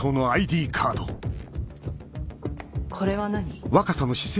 これは何？